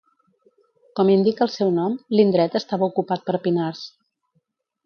Com indica el seu nom, l'indret estava ocupat per pinars.